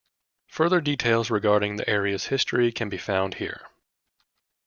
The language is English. Further details regarding the area's history can be found here.